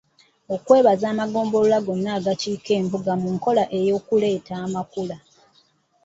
Okwebaza amagombolola gonna agaakiika embuga mu nkola ey’okuleeta amakula.